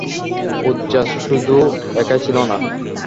উযযা শুধু একাই ছিল না।